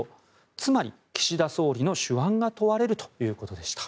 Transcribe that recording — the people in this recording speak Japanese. つまり、岸田総理の手腕が問われるということでした。